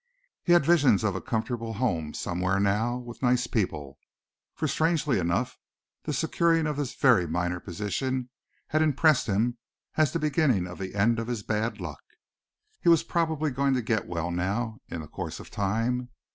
He had visions of a comfortable home somewhere now with nice people, for strangely enough the securing of this very minor position had impressed him as the beginning of the end of his bad luck. He was probably going to get well now, in the course of time.